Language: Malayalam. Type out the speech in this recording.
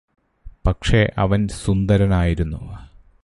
പക്ഷെ അവൻ സുന്ദരനായിരുന്നു